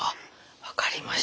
分かりました。